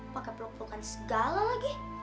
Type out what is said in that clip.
pakai peluk pelukan segala lagi